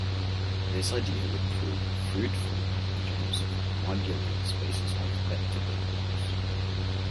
This idea would prove fruitful, in terms of moduli spaces of vector bundles.